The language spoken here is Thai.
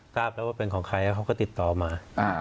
ทราบแล้วว่าเป็นของใครแล้วเขาก็ติดต่อมา